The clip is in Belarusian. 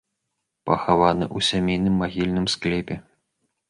Пахаваны ў сямейным магільным склепе.